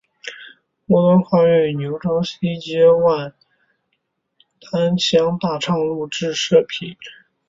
末端跨越牛稠溪接万丹乡大昌路至社皮。